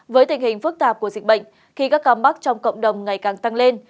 với tình hình phức tạp của dịch bệnh khi các ca mắc trong cộng đồng ngày càng tăng lên